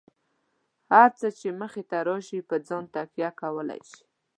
هر څه چې مخې ته راشي، په ځان تکیه کولای شئ.